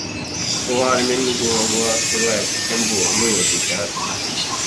中华民国政府又重新公开宣称对大陆地区拥有主权。